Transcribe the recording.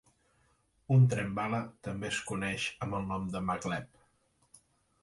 Un tren bala també es coneix amb el nom de "maglev".